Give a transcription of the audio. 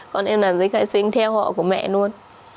con em làm giấy khai sinh theo họ của mẹ luôn